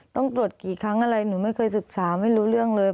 ต้องตรวจกี่ครั้งอะไรหนูไม่เคยศึกษาไม่รู้เรื่องเลย